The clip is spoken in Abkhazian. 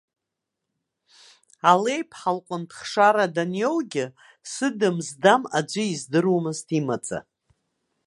Алеиԥҳа лҟнытә хшара даниоугьы сыдам-здам аӡәы издыруамызт имаӡа.